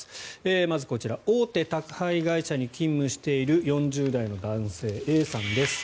まずこちら、大手宅配会社に勤務している４０代の男性、Ａさんです。